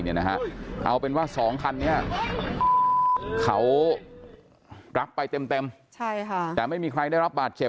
เอาเป็นว่า๒คันนี้เขารับไปเต็มแต่ไม่มีใครได้รับบาดเจ็บ